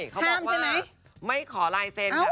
ใช่เขาบอกว่าข้ามใช่ไหมไม่ขอลายเซนค่ะ